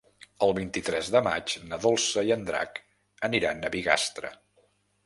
El vint-i-tres de maig na Dolça i en Drac aniran a Bigastre.